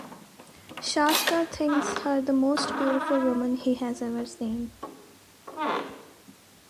Shasta thinks her the most beautiful woman he has ever seen.